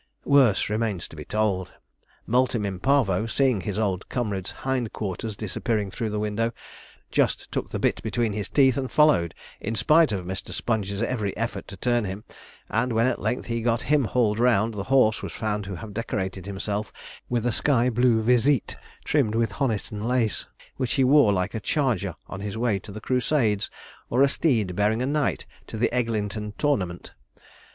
Worse remains to be told. 'Multum in Parvo,' seeing his old comrade's hind quarters disappearing through the window, just took the bit between his teeth, and followed, in spite of Mr. Sponge's every effort to turn him; and when at length he got him hauled round, the horse was found to have decorated himself with a sky blue visite trimmed with Honiton lace, which he wore like a charger on his way to the Crusades, or a steed bearing a knight to the Eglinton tournament.